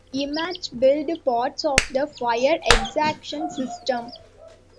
Imtech built parts of the fire exhaustion system.